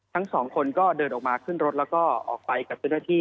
ทั้งสองคนก็เดินออกมาขึ้นรถแล้วก็ออกไปกับเจ้าหน้าที่